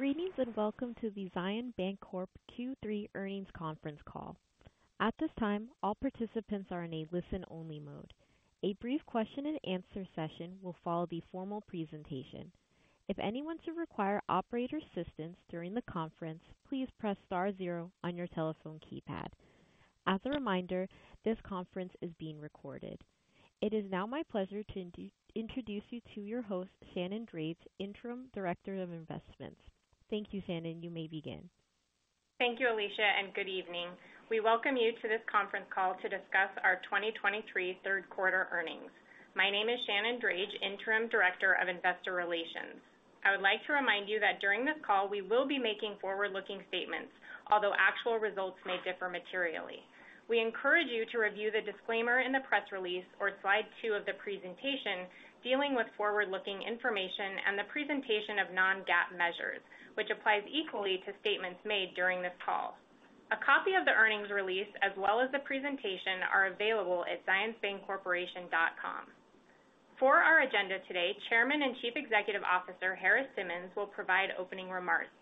Greetings, and welcome to the Zions Bancorp Q3 Earnings Conference Call. At this time, all participants are in a listen-only mode. A brief question-and-answer session will follow the formal presentation. If anyone should require operator assistance during the conference, please press star zero on your telephone keypad. As a reminder, this conference is being recorded. It is now my pleasure to introduce you to your host, Shannon Drage, Interim Director of Investment. Thank you, Shannon. You may begin. Thank you, Alicia, and good evening. We welcome you to this conference call to discuss our 2023 third quarter earnings. My name is Shannon Drage, Interim Director of Investor Relations. I would like to remind you that during this call, we will be making forward-looking statements, although actual results may differ materially. We encourage you to review the disclaimer in the press release or slide two of the presentation dealing with forward-looking information and the presentation of non-GAAP measures, which applies equally to statements made during this call. A copy of the earnings release, as well as the presentation, are available at zionsbancorporation.com. For our agenda today, Chairman and Chief Executive Officer, Harris Simmons, will provide opening remarks.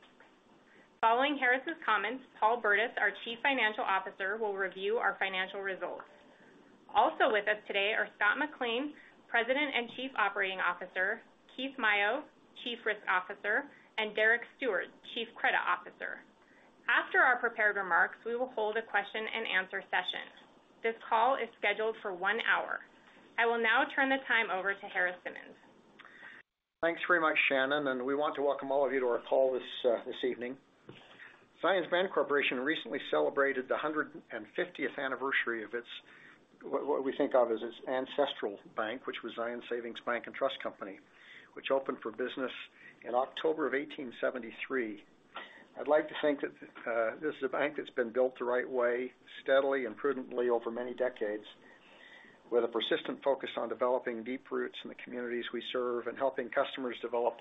Following Harris' comments, Paul Burdiss, our Chief Financial Officer, will review our financial results. Also with us today are Scott McLean, President and Chief Operating Officer, Keith Maio, Chief Risk Officer, and Derek Steward, Chief Credit Officer. After our prepared remarks, we will hold a question-and-answer session. This call is scheduled for one hour. I will now turn the time over to Harris Simmons. Thanks very much, Shannon, and we want to welcome all of you to our call this evening. Zions Bancorporation recently celebrated the 150th anniversary of its what we think of as its ancestral bank, which was Zion's Savings Bank and Trust Company, which opened for business in October of 1873. I'd like to think that this is a bank that's been built the right way, steadily and prudently over many decades, with a persistent focus on developing deep roots in the communities we serve and helping customers develop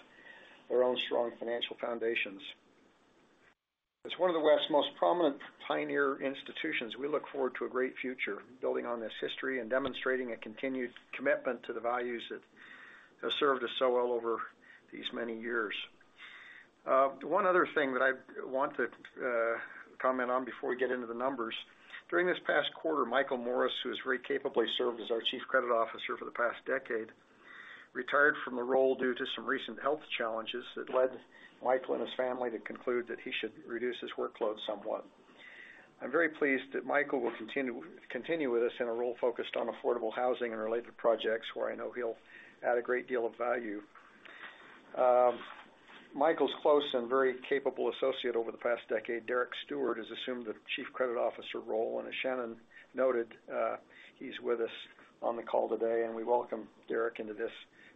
their own strong financial foundations. As one of the West's most prominent pioneer institutions, we look forward to a great future, building on this history and demonstrating a continued commitment to the values that have served us so well over these many years. One other thing that I want to comment on before we get into the numbers. During this past quarter, Michael Morris, who has very capably served as our Chief Credit Officer for the past decade, retired from the role due to some recent health challenges that led Michael and his family to conclude that he should reduce his workload somewhat. I'm very pleased that Michael will continue with us in a role focused on affordable housing and related projects, where I know he'll add a great deal of value. Michael's close and very capable associate over the past decade, Derek Steward, has assumed the Chief Credit Officer role, and as Shannon noted, he's with us on the call today, and we welcome Derek into this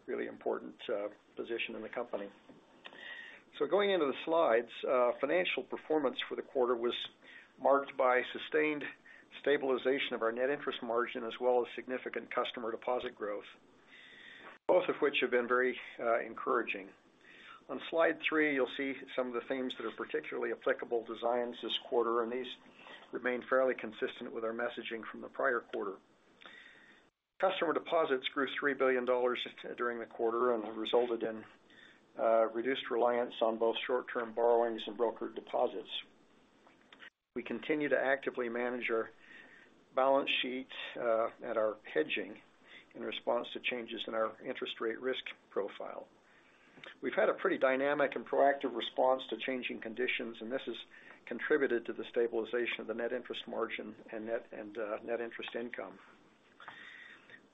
really important position in the company. So going into the slides, financial performance for the quarter was marked by sustained stabilization of our net interest margin, as well as significant customer deposit growth, both of which have been very encouraging. On slide three, you'll see some of the themes that are particularly applicable to Zions this quarter, and these remain fairly consistent with our messaging from the prior quarter. Customer deposits grew $3 billion during the quarter and resulted in reduced reliance on both short-term borrowings and brokered deposits. We continue to actively manage our balance sheet and our hedging in response to changes in our interest rate risk profile. We've had a pretty dynamic and proactive response to changing conditions, and this has contributed to the stabilization of the net interest margin and net interest income.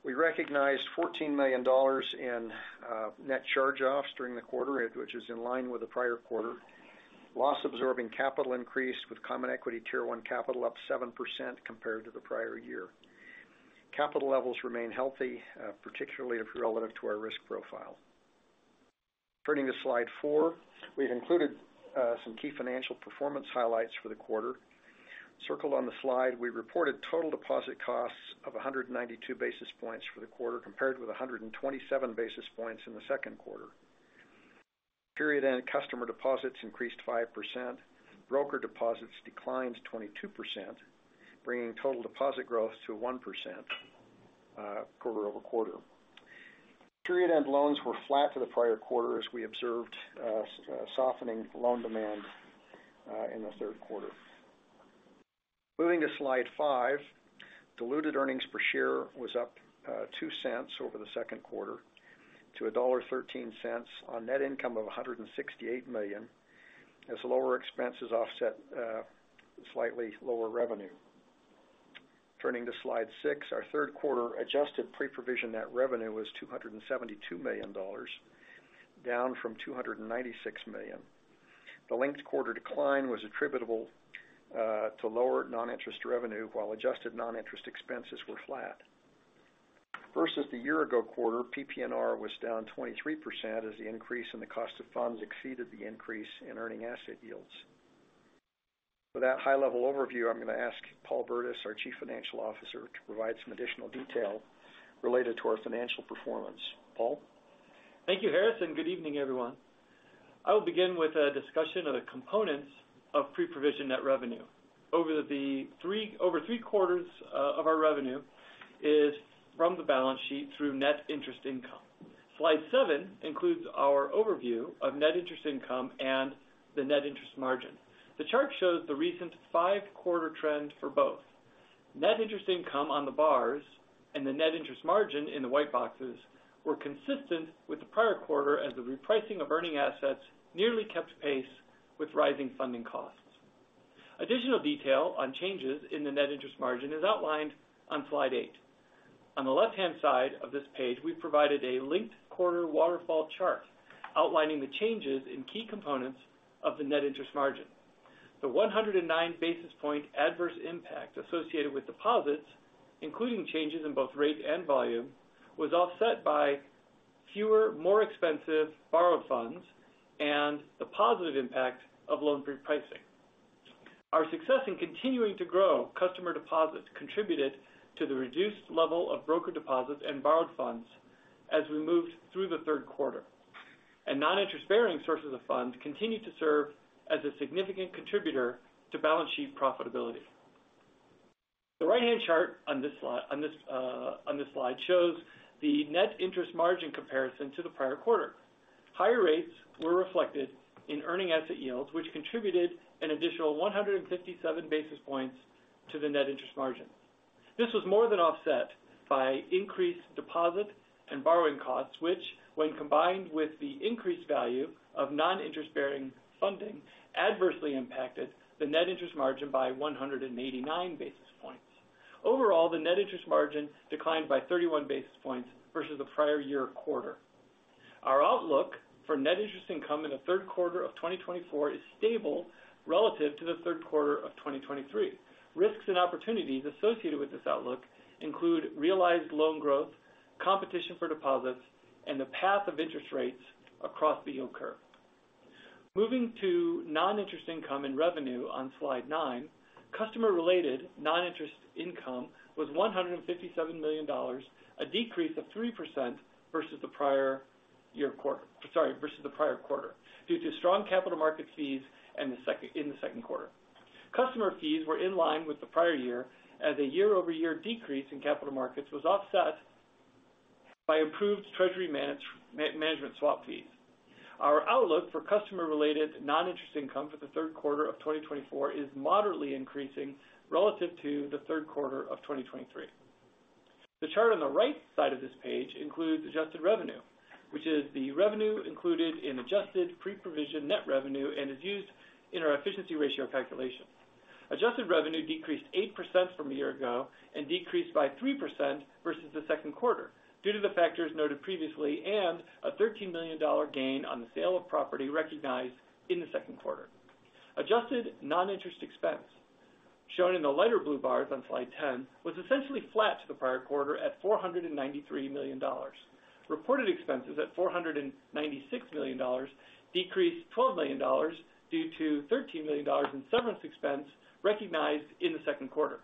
We recognized $14 million in net charge-offs during the quarter, which is in line with the prior quarter. Loss-absorbing capital increased, with Common Equity Tier 1 capital up 7% compared to the prior year. Capital levels remain healthy, particularly relative to our risk profile. Turning to slide four, we've included some key financial performance highlights for the quarter. Circled on the slide, we reported total deposit costs of 192 basis points for the quarter, compared with 127 basis points in the second quarter. Period-end customer deposits increased 5%. Broker deposits declined 22%, bringing total deposit growth to 1% quarter-over-quarter. Period-end loans were flat to the prior quarter, as we observed softening loan demand in the third quarter. Moving to slide five, diluted earnings per share was up $0.02 over the second quarter to $1.13 on net income of $168 million, as lower expenses offset slightly lower revenue. Turning to slide six, our third quarter adjusted pre-provision net revenue was $272 million, down from $296 million. The linked-quarter decline was attributable to lower non-interest revenue, while adjusted non-interest expenses were flat. Versus the year-ago quarter, PPNR was down 23% as the increase in the cost of funds exceeded the increase in earning asset yields. With that high-level overview, I'm going to ask Paul Burdiss, our Chief Financial Officer, to provide some additional detail related to our financial performance. Paul? Thank you, Harris, and good evening, everyone. I will begin with a discussion of the components of pre-provision net revenue.... over the three, over three quarters of our revenue is from the balance sheet through net interest income. Slide seven includes our overview of net interest income and the net interest margin. The chart shows the recent 5-quarter trend for both. Net interest income on the bars and the net interest margin in the white boxes were consistent with the prior quarter, as the repricing of earning assets nearly kept pace with rising funding costs. Additional detail on changes in the net interest margin is outlined on slide eight. On the left-hand side of this page, we've provided a linked quarter waterfall chart outlining the changes in key components of the net interest margin. The 109 basis point adverse impact associated with deposits, including changes in both rate and volume, was offset by fewer, more expensive borrowed funds and the positive impact of loan repricing. Our success in continuing to grow customer deposits contributed to the reduced level of broker deposits and borrowed funds as we moved through the third quarter. Non-interest-bearing sources of funds continued to serve as a significant contributor to balance sheet profitability. The right-hand chart on this slide shows the net interest margin comparison to the prior quarter. Higher rates were reflected in earning asset yields, which contributed an additional 157 basis points to the net interest margin. This was more than offset by increased deposit and borrowing costs, which, when combined with the increased value of non-interest-bearing funding, adversely impacted the net interest margin by 189 basis points. Overall, the net interest margin declined by 31 basis points versus the prior year quarter. Our outlook for net interest income in the third quarter of 2024 is stable relative to the third quarter of 2023. Risks and opportunities associated with this outlook include realized loan growth, competition for deposits, and the path of interest rates across the yield curve. Moving to non-interest income and revenue on slide nine, customer-related non-interest income was $157 million, a decrease of 3% versus the prior year quarter-- sorry, versus the prior quarter, due to strong capital market fees and the second-- in the second quarter. Customer fees were in line with the prior year, as a year-over-year decrease in capital markets was offset by improved treasury management swap fees. Our outlook for customer-related non-interest income for the third quarter of 2024 is moderately increasing relative to the third quarter of 2023. The chart on the right side of this page includes adjusted revenue, which is the revenue included in adjusted pre-provision net revenue and is used in our efficiency ratio calculation. Adjusted revenue decreased 8% from a year ago and decreased by 3% versus the second quarter due to the factors noted previously and a $13 million gain on the sale of property recognized in the second quarter. Adjusted non-interest expense, shown in the lighter blue bars on slide 10, was essentially flat to the prior quarter at $493 million. Reported expenses at $496 million decreased $12 million due to $13 million in severance expense recognized in the second quarter.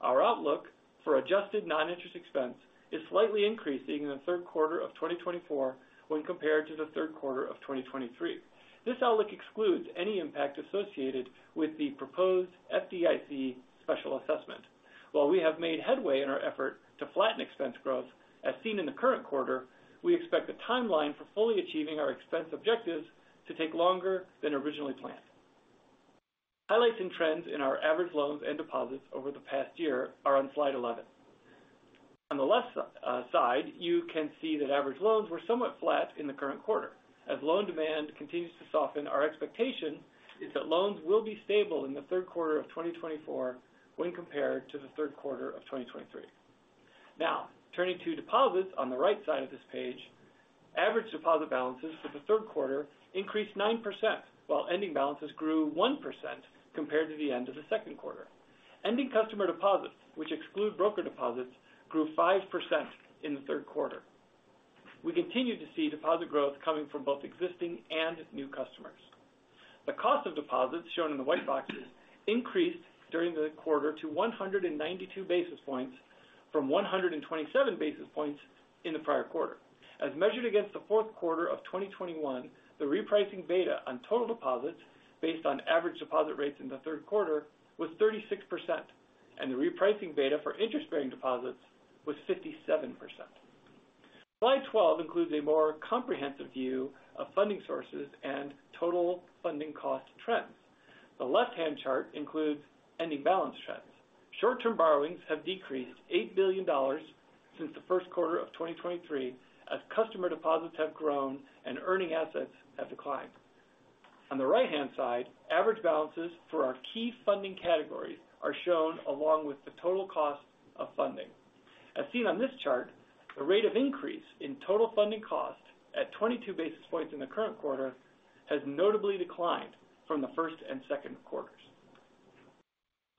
Our outlook for adjusted non-interest expense is slightly increasing in the third quarter of 2024 when compared to the third quarter of 2023. This outlook excludes any impact associated with the proposed FDIC special assessment. While we have made headway in our effort to flatten expense growth, as seen in the current quarter, we expect the timeline for fully achieving our expense objectives to take longer than originally planned. Highlights and trends in our average loans and deposits over the past year are on slide 11. On the left side, you can see that average loans were somewhat flat in the current quarter. As loan demand continues to soften, our expectation is that loans will be stable in the third quarter of 2024 when compared to the third quarter of 2023. Now, turning to deposits on the right side of this page, average deposit balances for the third quarter increased 9%, while ending balances grew 1% compared to the end of the second quarter. Ending customer deposits, which exclude broker deposits, grew 5% in the third quarter. We continue to see deposit growth coming from both existing and new customers. The cost of deposits, shown in the white boxes, increased during the quarter to 192 basis points from 127 basis points in the prior quarter. As measured against the fourth quarter of 2021, the repricing beta on total deposits based on average deposit rates in the third quarter was 36%, and the repricing beta for interest-bearing deposits was 57%. Slide 12 includes a more comprehensive view of funding sources and total funding cost trends. The left-hand chart includes ending balance trends. Short-term borrowings have decreased $8 billion since the first quarter of 2023, as customer deposits have grown and earning assets have declined. On the right-hand side, average balances for our key funding categories are shown along with the total cost of funding. As seen on this chart, the rate of increase in total funding cost at 22 basis points in the current quarter has notably declined from the first and second quarters.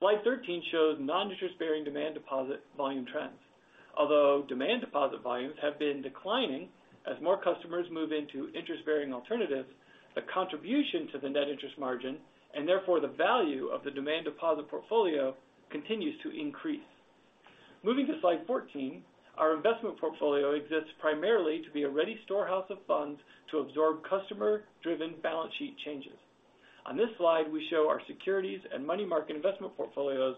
Slide 13 shows non-interest-bearing demand deposit volume trends. Although demand deposit volumes have been declining as more customers move into interest-bearing alternatives, the contribution to the net interest margin, and therefore the value of the demand deposit portfolio, continues to increase. Moving to slide 14, our investment portfolio exists primarily to be a ready storehouse of funds to absorb customer-driven balance sheet changes. On this slide, we show our securities and money market investment portfolios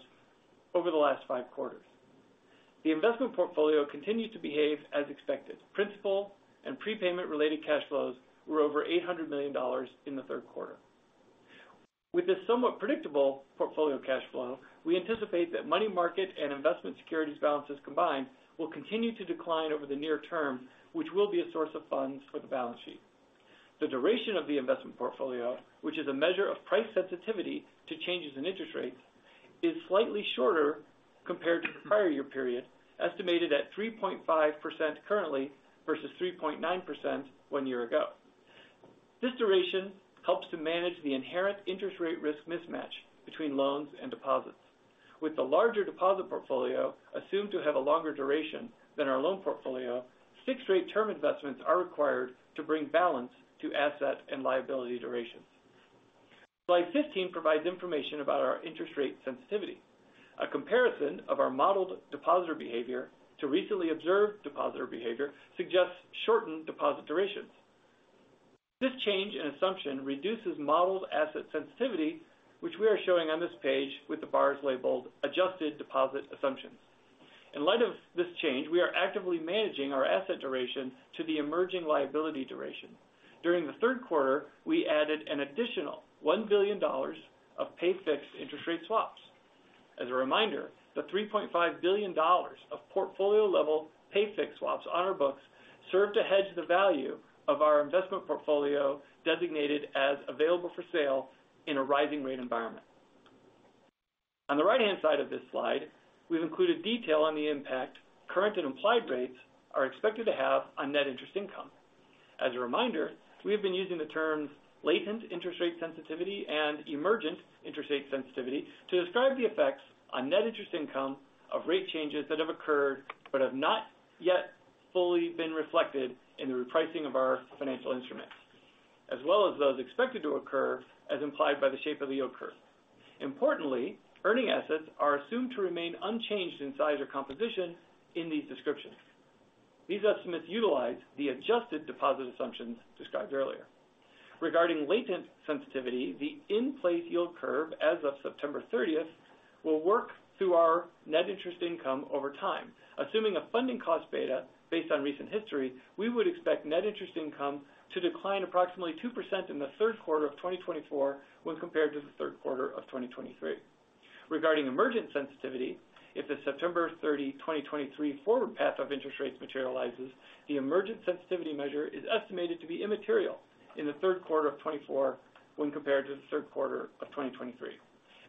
over the last five quarters. The investment portfolio continued to behave as expected. Principal and prepayment-related cash flows were over $800 million in the third quarter. With this somewhat predictable portfolio cash flow, we anticipate that money market and investment securities balances combined will continue to decline over the near term, which will be a source of funds for the balance sheet. The duration of the investment portfolio, which is a measure of price sensitivity to changes in interest rates, is slightly shorter compared to the prior year period, estimated at 3.5% currently, versus 3.9% one year ago. This duration helps to manage the inherent interest rate risk mismatch between loans and deposits. With the larger deposit portfolio assumed to have a longer duration than our loan portfolio, fixed rate term investments are required to bring balance to asset and liability durations. Slide 15 provides information about our interest rate sensitivity. A comparison of our modeled depositor behavior to recently observed depositor behavior suggests shortened deposit durations. This change in assumption reduces modeled asset sensitivity, which we are showing on this page with the bars labeled Adjusted Deposit Assumptions. In light of this change, we are actively managing our asset duration to the emerging liability duration. During the third quarter, we added an additional $1 billion of pay-fixed interest rate swaps. As a reminder, the $3.5 billion of portfolio level pay-fixed swaps on our books serve to hedge the value of our investment portfolio designated as available for sale in a rising rate environment. On the right-hand side of this slide, we've included detail on the impact current and implied rates are expected to have on net interest income. As a reminder, we have been using the terms latent interest rate sensitivity and emergent interest rate sensitivity to describe the effects on net interest income of rate changes that have occurred but have not yet fully been reflected in the repricing of our financial instruments, as well as those expected to occur as implied by the shape of the yield curve. Importantly, earning assets are assumed to remain unchanged in size or composition in these descriptions. These estimates utilize the adjusted deposit assumptions described earlier. Regarding latent sensitivity, the in-place yield curve as of September 30th will work through our net interest income over time. Assuming a funding cost beta based on recent history, we would expect net interest income to decline approximately 2% in the third quarter of 2024, when compared to the third quarter of 2023. Regarding emergent sensitivity, if the September 30, 2023 forward path of interest rates materializes, the emergent sensitivity measure is estimated to be immaterial in the third quarter of 2024 when compared to the third quarter of 2023.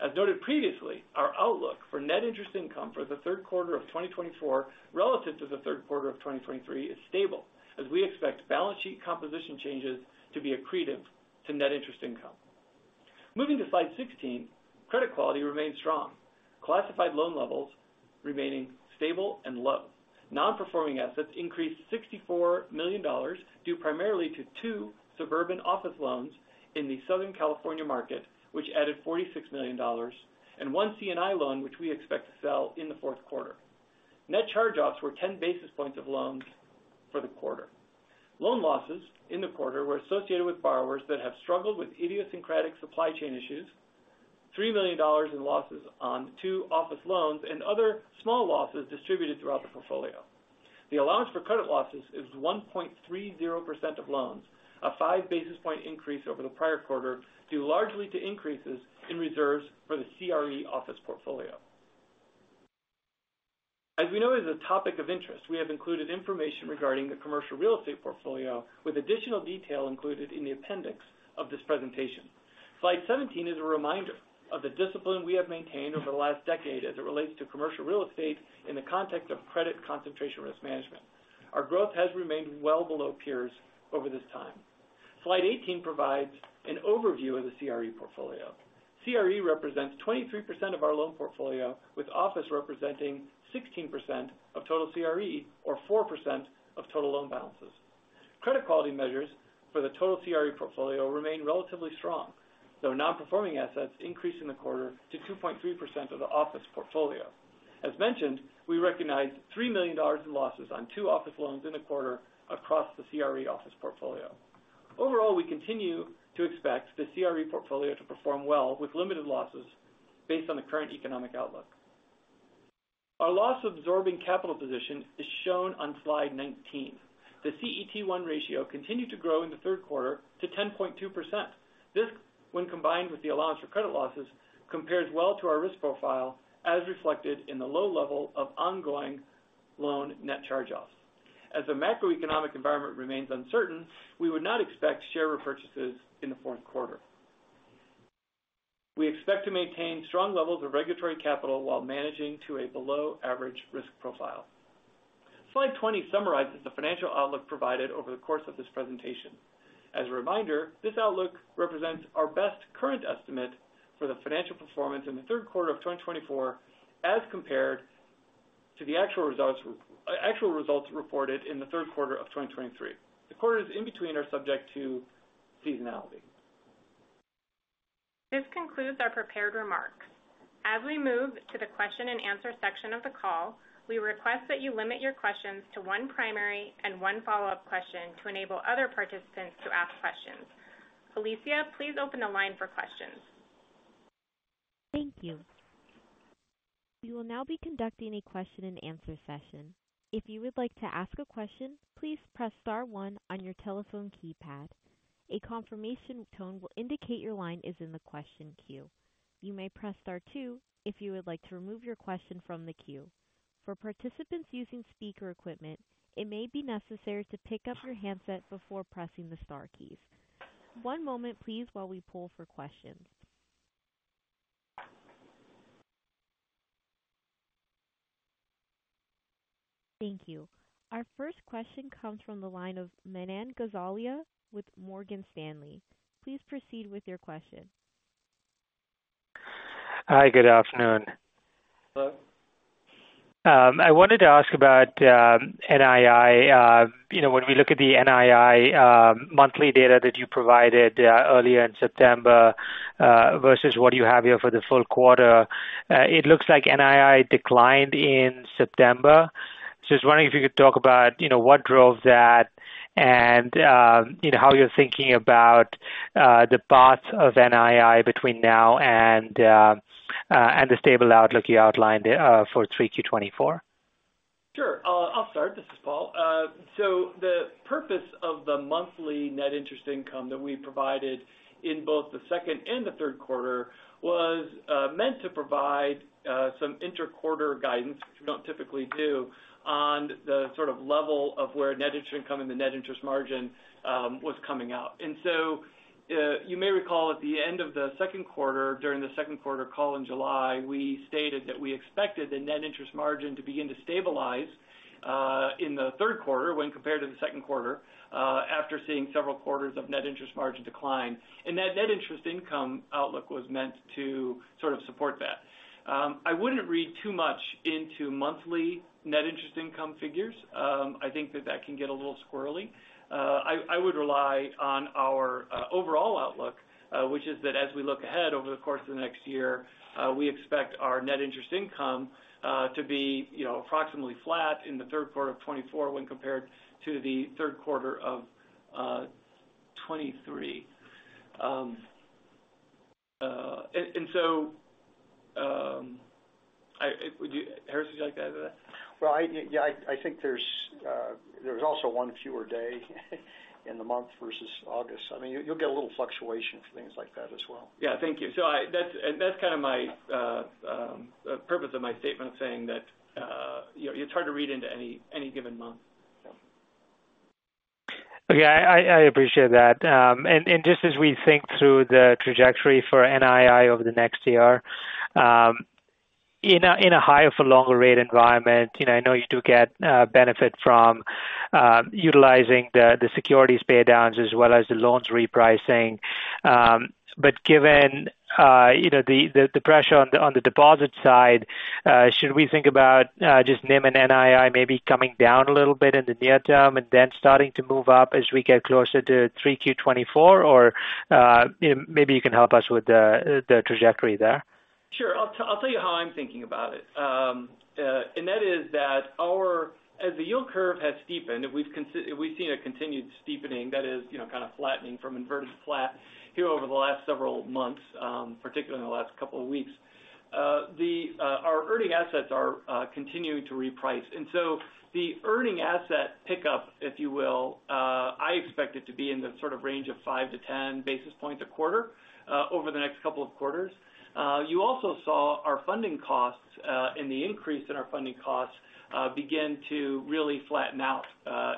As noted previously, our outlook for net interest income for the third quarter of 2024 relative to the third quarter of 2023 is stable, as we expect balance sheet composition changes to be accretive to net interest income. Moving to slide 16, credit quality remains strong. Classified loan levels remaining stable and low. Non-performing assets increased $64 million, due primarily to two suburban office loans in the Southern California market, which added $46 million, and one C&I loan, which we expect to sell in the fourth quarter. Net charge-offs were 10 basis points of loans for the quarter. Loan losses in the quarter were associated with borrowers that have struggled with idiosyncratic supply chain issues, $3 million in losses on two office loans, and other small losses distributed throughout the portfolio. The allowance for credit losses is 1.30% of loans, a five basis point increase over the prior quarter, due largely to increases in reserves for the CRE office portfolio. As we know is a topic of interest, we have included information regarding the commercial real estate portfolio with additional detail included in the appendix of this presentation. Slide 17 is a reminder of the discipline we have maintained over the last decade as it relates to commercial real estate in the context of credit concentration risk management. Our growth has remained well below peers over this time. Slide 18 provides an overview of the CRE portfolio. CRE represents 23% of our loan portfolio, with office representing 16% of total CRE or 4% of total loan balances. Credit quality measures for the total CRE portfolio remain relatively strong, though non-performing assets increased in the quarter to 2.3% of the office portfolio. As mentioned, we recognized $3 million in losses on two office loans in the quarter across the CRE office portfolio. Overall, we continue to expect the CRE portfolio to perform well with limited losses based on the current economic outlook. Our loss-absorbing capital position is shown on slide 19. The CET1 ratio continued to grow in the third quarter to 10.2%. This, when combined with the allowance for credit losses, compares well to our risk profile, as reflected in the low level of ongoing loan net charge-offs. As the macroeconomic environment remains uncertain, we would not expect share repurchases in the fourth quarter. We expect to maintain strong levels of regulatory capital while managing to a below-average risk profile. Slide 20 summarizes the financial outlook provided over the course of this presentation. As a reminder, this outlook represents our best current estimate for the financial performance in the third quarter of 2024 as compared to the actual results, actual results reported in the third quarter of 2023. The quarters in between are subject to seasonality.... This concludes our prepared remarks. As we move to the question and answer section of the call, we request that you limit your questions to one primary and one follow-up question to enable other participants to ask questions. Alicia, please open the line for questions. Thank you. We will now be conducting a question-and-answer session. If you would like to ask a question, please press star one on your telephone keypad. A confirmation tone will indicate your line is in the question queue. You may press star two if you would like to remove your question from the queue. For participants using speaker equipment, it may be necessary to pick up your handset before pressing the star keys. One moment please, while we poll for questions. Thank you. Our first question comes from the line of Manan Gosalia with Morgan Stanley. Please proceed with your question. Hi, good afternoon. Hello. I wanted to ask about NII. You know, when we look at the NII monthly data that you provided earlier in September versus what you have here for the full quarter, it looks like NII declined in September. So I was wondering if you could talk about, you know, what drove that and, you know, how you're thinking about the path of NII between now and the stable outlook you outlined for 3Q 2024. Sure. I'll start. This is Paul. So the purpose of the monthly net interest income that we provided in both the second and the third quarter was meant to provide some inter-quarter guidance, which we don't typically do, on the sort of level of where net interest income and the net interest margin was coming out. And so, you may recall at the end of the second quarter, during the second quarter call in July, we stated that we expected the net interest margin to begin to stabilize in the third quarter when compared to the second quarter, after seeing several quarters of net interest margin decline. And that net interest income outlook was meant to sort of support that. I wouldn't read too much into monthly net interest income figures. I think that that can get a little squirrely. I would rely on our overall outlook, which is that as we look ahead over the course of the next year, we expect our net interest income to be, you know, approximately flat in the third quarter of 2024 when compared to the third quarter of 2023. And so, I... Would you, Harris, would you like to add to that? Well, yeah, I think there's also one fewer day in the month versus August. I mean, you'll get a little fluctuation for things like that as well. Yeah. Thank you. So that's, and that's kind of my purpose of my statement, saying that, you know, it's hard to read into any given month. Okay, I appreciate that. And just as we think through the trajectory for NII over the next year, in a higher for longer rate environment, you know, I know you do get benefit from utilizing the securities paydowns as well as the loans repricing. But given, you know, the pressure on the deposit side, should we think about just NIM and NII maybe coming down a little bit in the near term and then starting to move up as we get closer to 3Q 2024? Or, you know, maybe you can help us with the trajectory there. Sure. I'll tell, I'll tell you how I'm thinking about it. And that is that our as the yield curve has steepened, and we've seen a continued steepening that is, you know, kind of flattening from inverted flat here over the last several months, particularly in the last couple of weeks. Our earning assets are continuing to reprice. And so the earning asset pickup, if you will, I expect it to be in the sort of range of five to 10 basis points a quarter, over the next couple of quarters. You also saw our funding costs, and the increase in our funding costs, begin to really flatten out,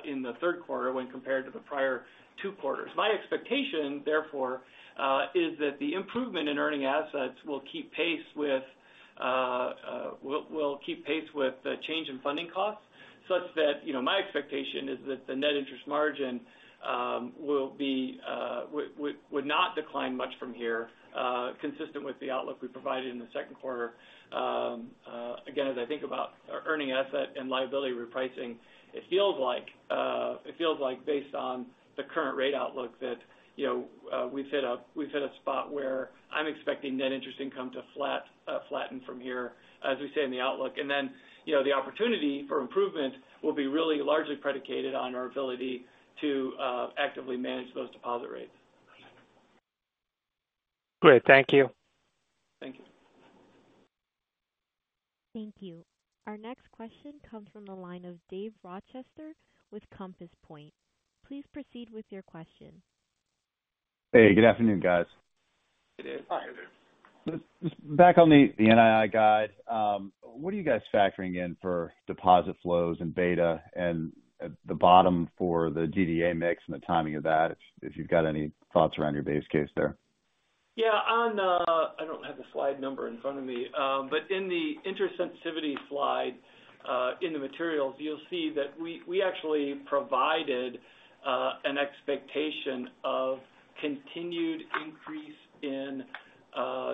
in the third quarter when compared to the prior two quarters. My expectation, therefore, is that the improvement in earning assets will keep pace with the change in funding costs, such that, you know, my expectation is that the net interest margin would not decline much from here, consistent with the outlook we provided in the second quarter. Again, as I think about our earning asset and liability repricing, it feels like, based on the current rate outlook, that, you know, we've hit a spot where I'm expecting net interest income to flatten from here, as we say in the outlook. And then, you know, the opportunity for improvement will be really largely predicated on our ability to actively manage those deposit rates. Great. Thank you. Thank you. Thank you. Our next question comes from the line of Dave Rochester with Compass Point. Please proceed with your question. Hey, good afternoon, guys. Hey, Dave. Hi, Dave. Just back on the NII guide. What are you guys factoring in for deposit flows and beta and the bottom for the DDA mix and the timing of that, if you've got any thoughts around your base case there? Yeah, on, I don't have the slide number in front of me. But in the interest sensitivity slide, in the materials, you'll see that we, we actually provided, an expectation of continued increase in,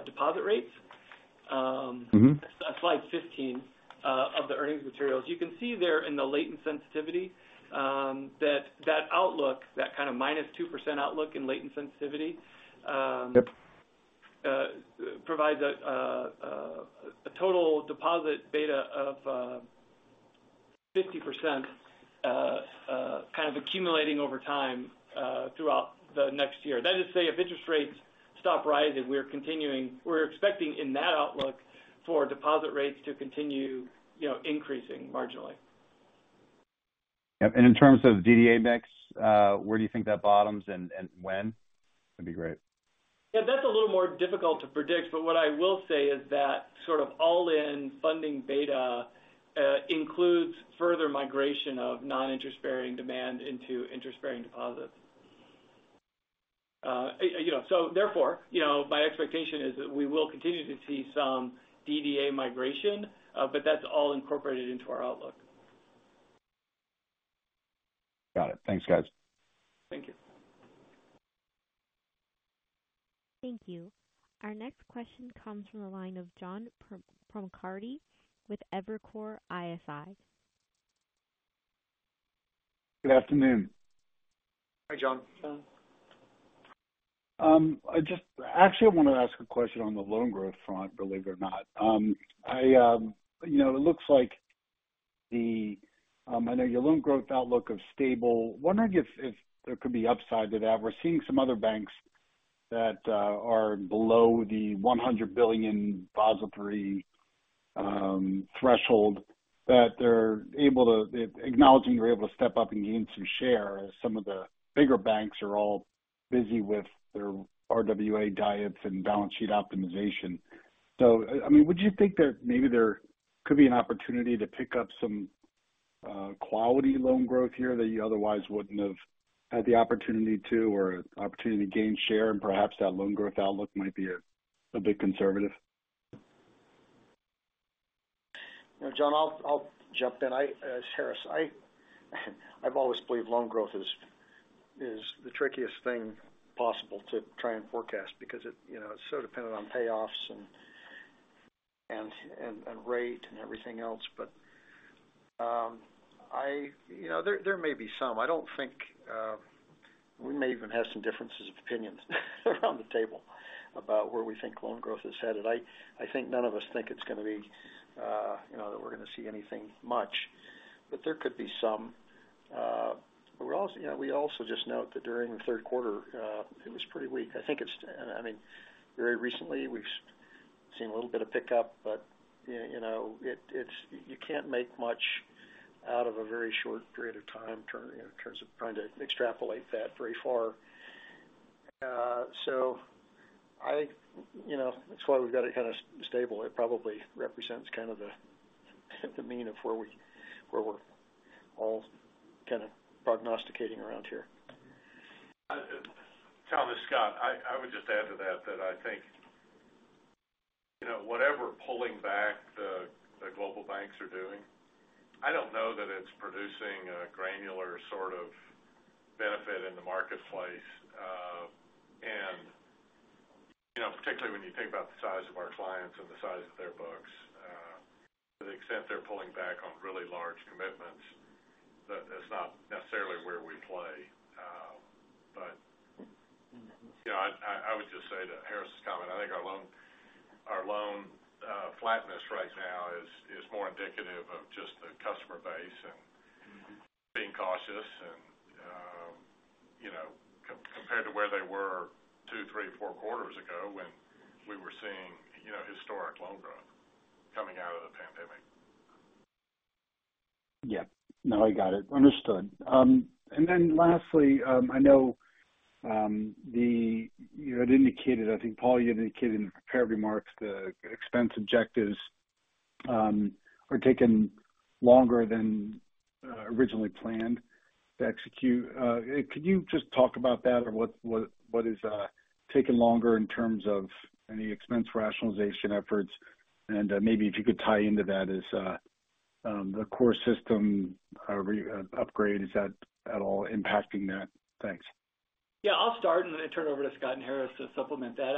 deposit rates.... Mm-hmm, slide 15, of the earnings materials. You can see there in the rate sensitivity, that, that outlook, that kind of -2% outlook in rate sensitivity, Yep. provides a total deposit beta of 50%, kind of accumulating over time throughout the next year. That is to say, if interest rates stop rising, we're continuing, we're expecting in that outlook for deposit rates to continue, you know, increasing marginally. Yep. In terms of DDA mix, where do you think that bottoms and when? That'd be great. Yeah, that's a little more difficult to predict, but what I will say is that sort of all-in funding beta, includes further migration of non-interest-bearing demand into interest-bearing deposits. You know, so therefore, you know, my expectation is that we will continue to see some DDA migration, but that's all incorporated into our outlook. Got it. Thanks, guys. Thank you. Thank you. Our next question comes from the line of John Pancari with Evercore ISI. Good afternoon. Hi, John. John. Actually, I want to ask a question on the loan growth front, believe it or not. You know, it looks like the, I know your loan growth outlook of stable. Wondering if, if there could be upside to that. We're seeing some other banks that, are below the $100 billion depository threshold, that they're able to, acknowledging you're able to step up and gain some share, as some of the bigger banks are all busy with their RWA diets and balance sheet optimization. So I, I mean, would you think that maybe there could be an opportunity to pick up some, quality loan growth here that you otherwise wouldn't have had the opportunity to, or opportunity to gain share, and perhaps that loan growth outlook might be a, a bit conservative? You know, John, I'll jump in. I, as Harris, I've always believed loan growth is the trickiest thing possible to try and forecast because it, you know, it's so dependent on payoffs and rate and everything else. But, I... You know, there may be some. I don't think we may even have some differences of opinions around the table about where we think loan growth is headed. I think none of us think it's going to be, you know, that we're going to see anything much, but there could be some. But we're also, you know, we also just note that during the third quarter, it was pretty weak. I think it's, and I mean, very recently, we've seen a little bit of pickup, but, you know, it. It's you can't make much out of a very short period of time, you know, in terms of trying to extrapolate that very far. So I, you know, that's why we've got it kind of stable. It probably represents kind of the, the mean of where we, where we're all kind of prognosticating around here. John, it's Scott. I would just add to that, that I think, you know, whatever pulling back the global banks are doing, I don't know that it's producing a granular sort of benefit in the marketplace. And, you know, particularly when you think about the size of our clients and the size of their books, to the extent they're pulling back on really large commitments, that that's not necessarily where we play. But, you know, I would just say to Harris's comment, I think our loan flatness right now is more indicative of just the customer base and- Mm-hmm. being cautious and, you know, compared to where they were two, three, four quarters ago, when we were seeing, you know, historic loan growth coming out of the pandemic. Yeah. No, I got it. Understood. And then lastly, I know, the, you know, it indicated, I think, Paul, you indicated in the prepared remarks, the expense objectives are taking longer than originally planned to execute. Could you just talk about that or what, what, what is taking longer in terms of any expense rationalization efforts? And maybe if you could tie into that is the core system re-upgrade, is that at all impacting that? Thanks. Yeah, I'll start and then turn it over to Scott and Harris to supplement that.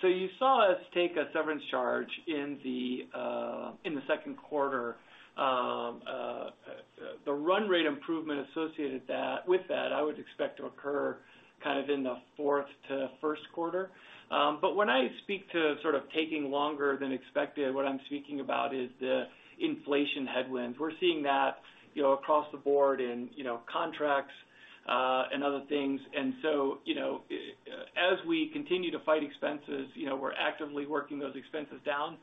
So you saw us take a severance charge in the second quarter. The run rate improvement associated with that, I would expect to occur kind of in the fourth to first quarter. But when I speak to sort of taking longer than expected, what I'm speaking about is the inflation headwinds. We're seeing that, you know, across the board in contracts and other things. And so, you know, as we continue to fight expenses, you know, we're actively working those expenses down.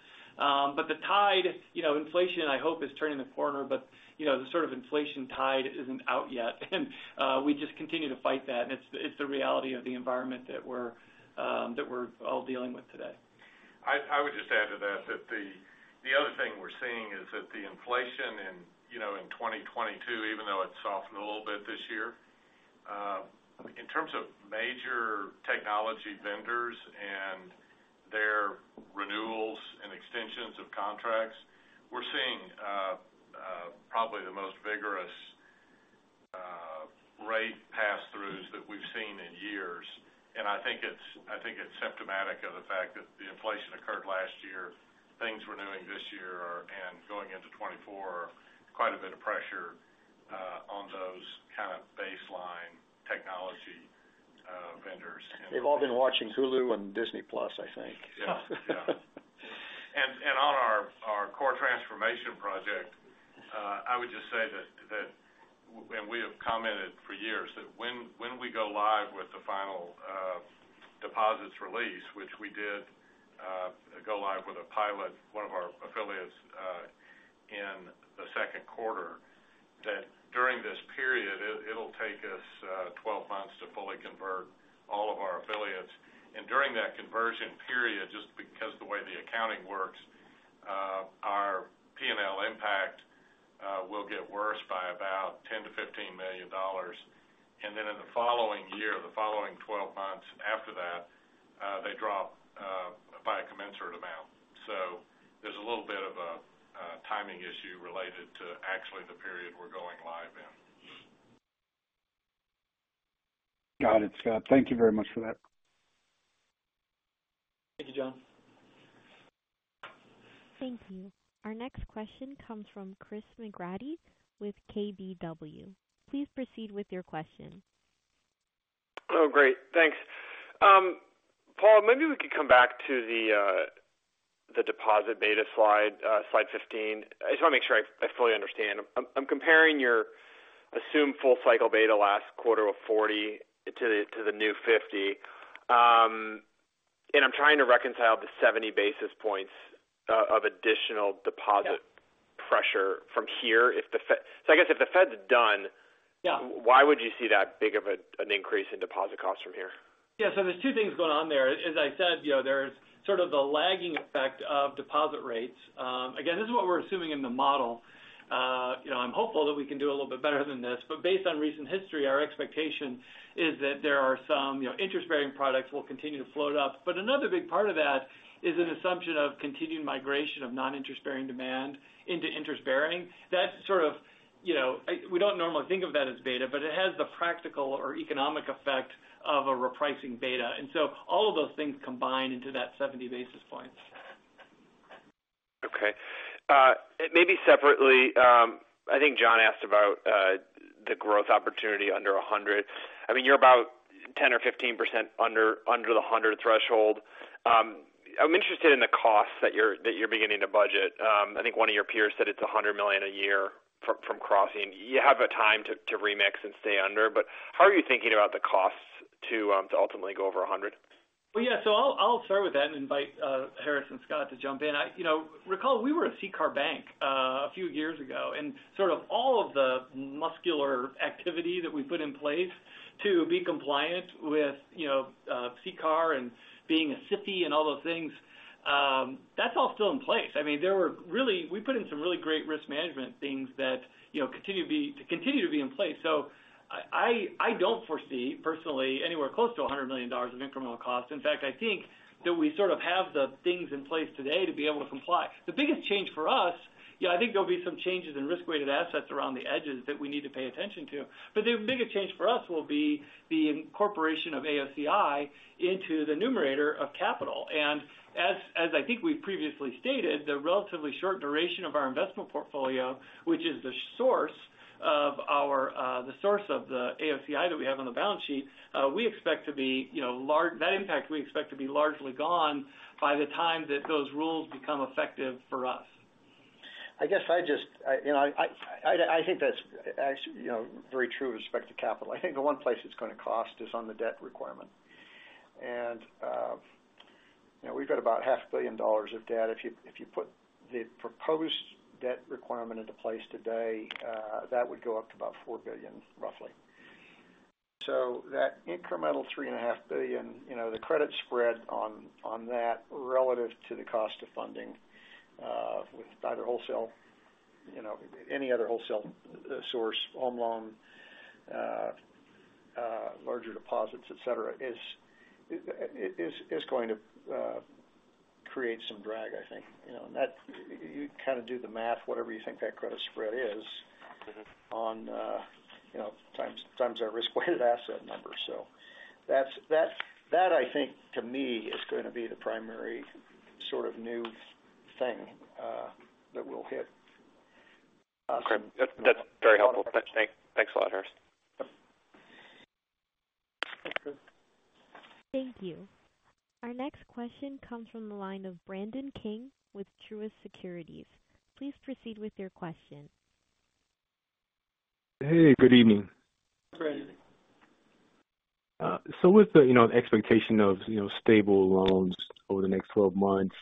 But the tide, you know, inflation, I hope, is turning the corner, but, you know, the sort of inflation tide isn't out yet, and we just continue to fight that. It's the reality of the environment that we're all dealing with today. I would just add to that, that the other thing we're seeing is that the inflation in, you know, in 2022, even though it softened a little bit this year, in terms of major technology vendors and their renewals and extensions of contracts, we're seeing probably the most vigorous rate pass-throughs that we've seen in years. And I think it's symptomatic of the fact that the inflation occurred last year. Things we're doing this year and going into 2024, quite a bit of pressure on those kind of baseline technology vendors. They've all been watching Hulu and Disney Plus, I think. Yeah. Yeah. And on our core transformation project, I would just say that—and we have commented for years, that when we go live with the final deposits release, which we did go live with a pilot, one of our affiliates, in the second quarter, that during this period, it'll take us 12 months to fully convert all of our affiliates. And during that conversion period, just because the way the accounting works, our P&L impact will get worse by about $10 million-$15 million. And then in the following year, the following 12 months after that, they drop by a commensurate amount. So there's a little bit of a timing issue related to actually the period we're going live in. Got it, Scott. Thank you very much for that. Thank you, John. Thank you. Our next question comes from Chris McGratty with KBW. Please proceed with your question. Oh, great. Thanks. Paul, maybe we could come back to the deposit beta slide, slide 15. I just want to make sure I fully understand. I'm comparing your assumed full cycle beta last quarter of 40 to the new 50. And I'm trying to reconcile the 70 basis points of additional deposit- Yeah pressure from here. So I guess if the Fed's done- Yeah. -why would you see that big of an increase in deposit costs from here? Yeah, so there's two things going on there. As I said, you know, there's sort of the lagging effect of deposit rates. Again, this is what we're assuming in the model. You know, I'm hopeful that we can do a little bit better than this, but based on recent history, our expectation is that there are some, you know, interest-bearing products will continue to float up. But another big part of that is an assumption of continued migration of non-interest-bearing demand into interest-bearing. That's sort of, you know, we don't normally think of that as beta, but it has the practical or economic effect of a repricing beta. And so all of those things combine into that 70 basis points. Okay. Maybe separately, I think John asked about the growth opportunity under 100. I mean, you're about 10% or 15% under the 100 threshold. I'm interested in the costs that you're beginning to budget. I think one of your peers said it's $100 million a year from crossing. You have a time to remix and stay under, but how are you thinking about the costs to ultimately go over 100? Well, yeah. So I'll start with that and invite Harris and Scott to jump in. You know, recall, we were a CCAR bank a few years ago, and sort of all of the muscular activity that we put in place to be compliant with, you know, CCAR and being a SIFI and all those things, that's all still in place. I mean, we put in some really great risk management things that, you know, continue to be in place. So I don't foresee, personally, anywhere close to $100 million of incremental cost. In fact, I think that we sort of have the things in place today to be able to comply. The biggest change for us, yeah, I think there'll be some changes in risk-weighted assets around the edges that we need to pay attention to. But the biggest change for us will be the incorporation of AOCI into the numerator of capital. And as, as I think we've previously stated, the relatively short duration of our investment portfolio, which is the source of our, the source of the AOCI that we have on the balance sheet, we expect to be, you know, largely gone by the time that those rules become effective for us. I guess I just, you know, I think that's actually, you know, very true with respect to capital. I think the one place it's going to cost is on the debt requirement. And, you know, we've got about $500 million of debt. If you put the proposed debt requirement into place today, that would go up to about $4 billion, roughly. So that incremental $3.5 billion, you know, the credit spread on that relative to the cost of funding, with either wholesale, you know, any other wholesale source, home loan, larger deposits, et cetera, is going to create some drag, I think, you know. And that, you kind of do the math, whatever you think that credit spread is- Mm-hmm on, you know, times, times our risk-weighted asset number. So that's, that, that, I think, to me, is going to be the primary sort of new thing, that we'll hit. Okay. That's very helpful. Thanks a lot, Harris. Yep. Thank you. Our next question comes from the line of Brandon King with Truist Securities. Please proceed with your question. Hey, good evening. Hi, Brandon. So with the, you know, expectation of, you know, stable loans over the next 12 months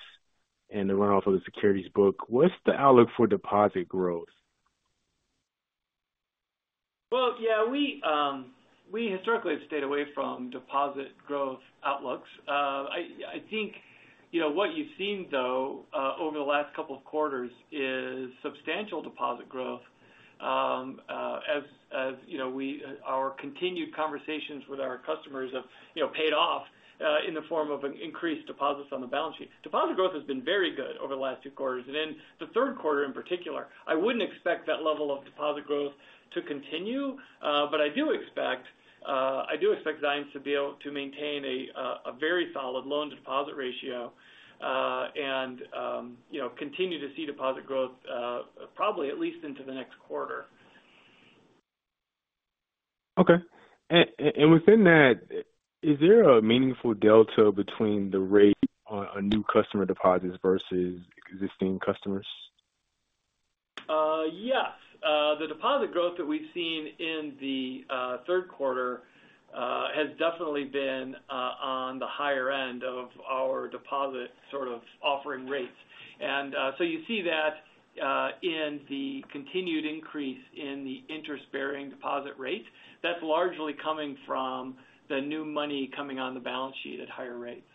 and the runoff of the securities book, what's the outlook for deposit growth? Well, yeah, we historically have stayed away from deposit growth outlooks. You know, what you've seen, though, over the last couple of quarters, is substantial deposit growth. As you know, our continued conversations with our customers have, you know, paid off in the form of an increased deposits on the balance sheet. Deposit growth has been very good over the last two quarters, and in the third quarter in particular. I wouldn't expect that level of deposit growth to continue, but I do expect, I do expect Zions to be able to maintain a very solid loan-to-deposit ratio, and, you know, continue to see deposit growth, probably at least into the next quarter. Okay. And within that, is there a meaningful delta between the rate on new customer deposits versus existing customers? Yes. The deposit growth that we've seen in the third quarter has definitely been on the higher end of our deposit sort of offering rates. And so you see that in the continued increase in the interest-bearing deposit rates. That's largely coming from the new money coming on the balance sheet at higher rates.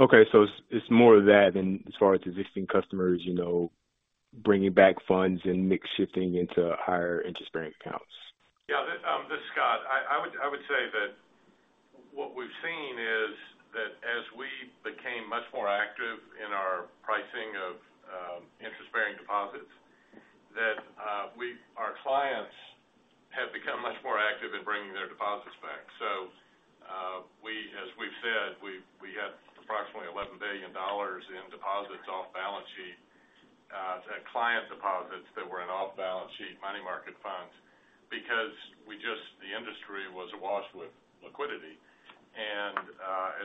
Okay, so it's more of that than, as far as existing customers, you know, bringing back funds and mix shifting into higher interest-bearing accounts. Yeah, this, this is Scott. I would say that what we've seen is that as we became much more active in our pricing of interest-bearing deposits, that we—our clients have become much more active in bringing their deposits back. So, we, as we've said, we had approximately $11 billion in deposits off-balance-sheet, client deposits that were in off-balance-sheet money market funds, because we just... The industry was awash with liquidity. And,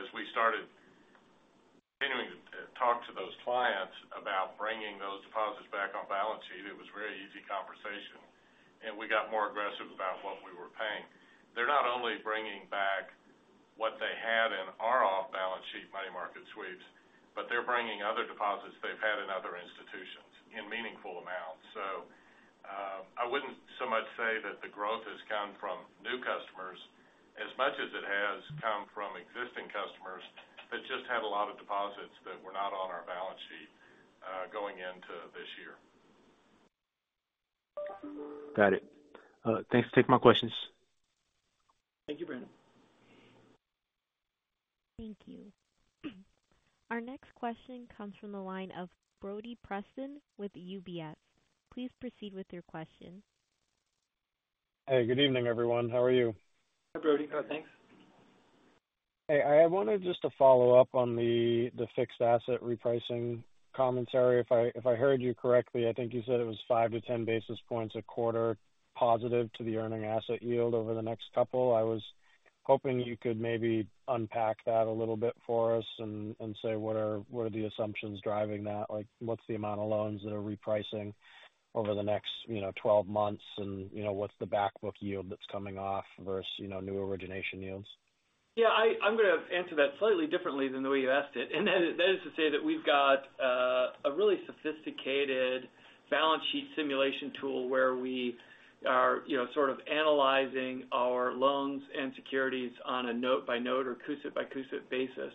as we started continuing to talk to those clients about bringing those deposits back on balance sheet, it was a very easy conversation, and we got more aggressive about what we were paying. They're not only bringing back what they had in our off-balance-sheet money market sweeps, but they're bringing other deposits they've had in other institutions in meaningful amounts. I wouldn't so much say that the growth has come from new customers as much as it has come from existing customers that just had a lot of deposits that were not on our balance sheet, going into this year. Got it. Thanks. That takes my questions. Thank you, Brandon. Thank you. Our next question comes from the line of Brody Preston with UBS. Please proceed with your question. Hey, good evening, everyone. How are you? Hi, Brody. Good, thanks. Hey, I wanted just to follow up on the fixed asset repricing commentary. If I heard you correctly, I think you said it was 5-10 basis points a quarter, positive to the earning asset yield over the next couple. I was hoping you could maybe unpack that a little bit for us and say, what are the assumptions driving that? Like, what's the amount of loans that are repricing over the next, you know, 12 months, and, you know, what's the back book yield that's coming off versus, you know, new origination yields? Yeah, I'm going to answer that slightly differently than the way you asked it. And that is to say that we've got a really sophisticated balance sheet simulation tool where we are, you know, sort of analyzing our loans and securities on a note-by-note or CUSIP-by-CUSIP basis.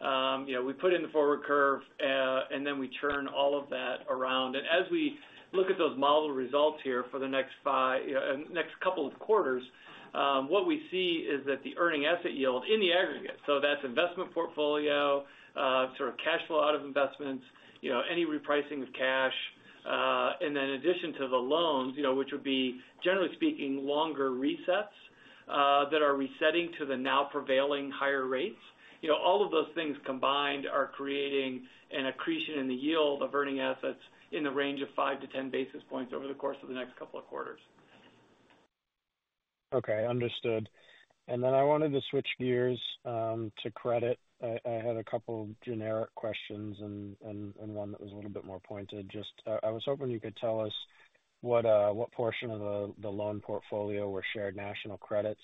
You know, we put in the forward curve, and then we turn all of that around. And as we look at those model results here for the next five, you know, next couple of quarters, what we see is that the earning asset yield in the aggregate, so that's investment portfolio, sort of cash flow out of investments, you know, any repricing of cash, and then in addition to the loans, you know, which would be, generally speaking, longer resets, that are resetting to the now prevailing higher rates. You know, all of those things combined are creating an accretion in the yield of earning assets in the range of 5-10 basis points over the course of the next couple of quarters. Okay, understood. And then I wanted to switch gears to credit. I had a couple of generic questions and one that was a little bit more pointed. Just, I was hoping you could tell us what portion of the loan portfolio were shared national credits,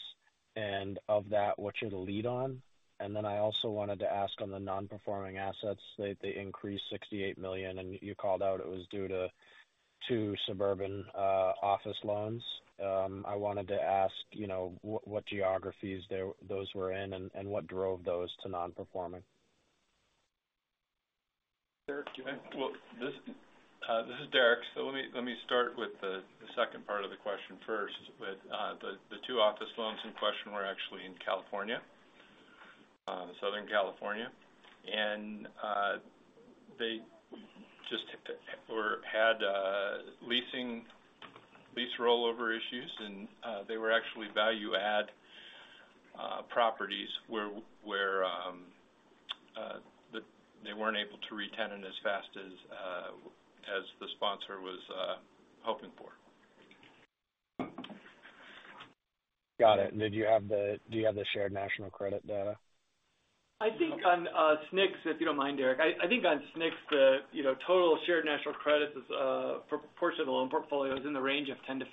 and of that, what's your lead on? And then I also wanted to ask on the non-performing assets, they increased $68 million, and you called out it was due to two suburban office loans. I wanted to ask, you know, what geographies those were in, and what drove those to non-performing? Derek, do you want... Well, this is Derek. So let me start with the second part of the question first. With the two office loans in question were actually in California, Southern California. They just took the--or had leasing lease rollover issues, and they were actually value add properties where the--they weren't able to re-tenant as fast as the sponsor was hoping for. Got it. Do you have the Shared National Credit data? I think on SNCs, if you don't mind, Derek. I think on SNCs, you know, total shared national credits is for portion of the loan portfolio in the range of 10%-15%.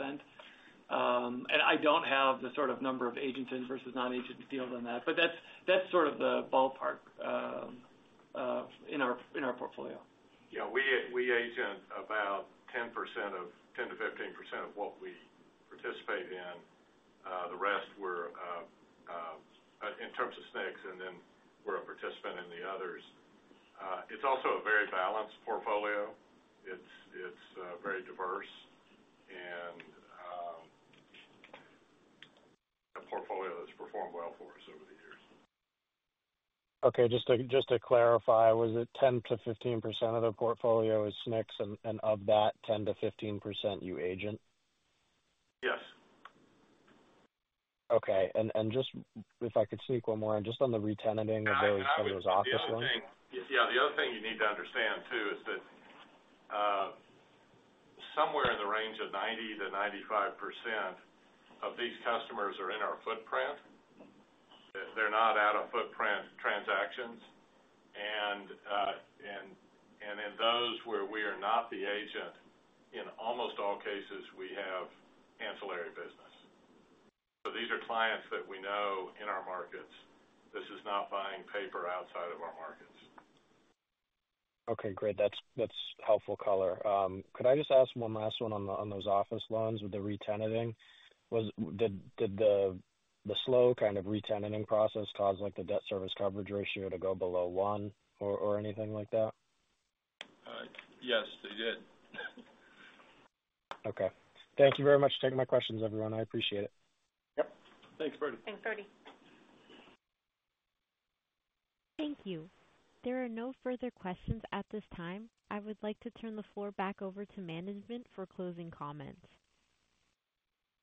And I don't have the sort of number of agented versus non-agented deals on that, but that's sort of the ballpark in our portfolio. Yeah, we agent about 10% of 10%-15% of what we do participate in, the rest were in terms of SNCs, and then we're a participant in the others. It's also a very balanced portfolio. It's very diverse, and a portfolio that's performed well for us over the years. Okay. Just to clarify, was it 10%-15% of the portfolio is SNCs, and of that 10%-15%, you agent? Yes. Okay. And just if I could sneak one more in, just on the retenanting of those office loans. Yeah, the other thing you need to understand, too, is that somewhere in the range of 90%-95% of these customers are in our footprint. They're not out-of-footprint transactions. And, and, and in those where we are not the agent, in almost all cases, we have ancillary business. So these are clients that we know in our markets. This is not buying paper outside of our markets. Okay, great. That's, that's helpful color. Could I just ask one last one on, on those office loans with the retenanting? Did the slow kind of retenanting process cause, like, the debt service coverage ratio to go below one or anything like that? Yes, they did. Okay. Thank you very much for taking my questions, everyone. I appreciate it. Yep. Thanks, Brody. Thanks, Brody. Thank you. There are no further questions at this time. I would like to turn the floor back over to management for closing comments.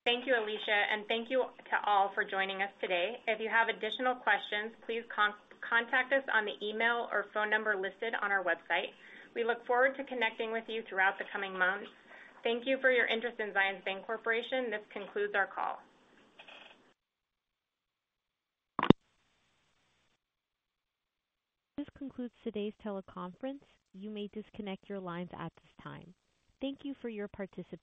Thank you, Alicia, and thank you to all for joining us today. If you have additional questions, please contact us on the email or phone number listed on our website. We look forward to connecting with you throughout the coming months. Thank you for your interest in Zions Bancorporation. This concludes our call. This concludes today's teleconference. You may disconnect your lines at this time. Thank you for your participation.